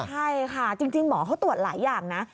ใช่ค่ะจริงหมอเขาตรวจหลายอย่างนะ